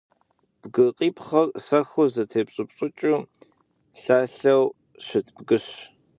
Бгыкъипхъыр сэху зэтепщӏыпщӏыкӏыу, лъалъэу щыт бгыщ.